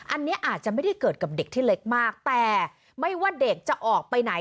อันนี้อาจจะไม่ได้เกิดกับเด็กที่เล็กมากแต่ไม่ว่าเด็กจะออกไปไหน